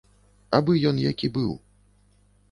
Абы ён які быў.